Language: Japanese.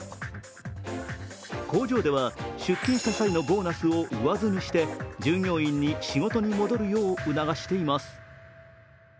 工場では出勤した際のボーナスを上積みして従業員に仕事に戻るよう促しています。